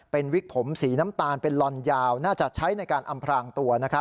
เป็นวิกผมสีน้ำตาลเป็นลอนยาวน่าจะใช้ในการอำพรางตัว